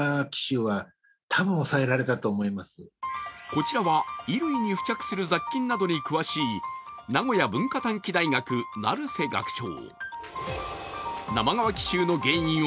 こちらは衣類に付着する雑菌などに詳しい名古屋文化短期大学、成瀬学長。